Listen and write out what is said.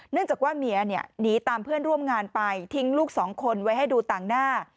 จากว่าเมียหนีตามเพื่อนร่วมงานไปทิ้งลูกสองคนไว้ให้ดูต่างหน้า